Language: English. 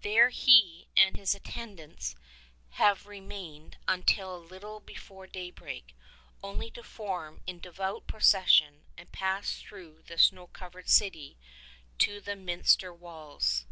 There he and his attendants have remained until a little before daybreak, only to form in devout procession and pass through the snow covered city to the minster walls.